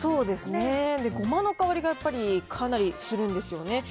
で、ごまの香りがやっぱり、かなりするんですよね。